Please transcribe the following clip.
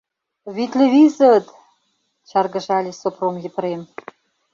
— Витле визыт! — чаргыжале Сопром Епрем.